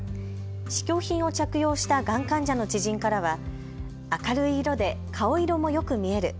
試供品を着用したがん患者の知人からは明るい色で顔色もよく見える。